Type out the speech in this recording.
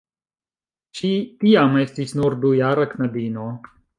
Ŝi tiam estis nur dujara knabino.